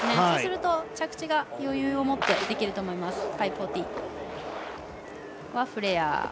そうすると着地が余裕を持ってできると思います。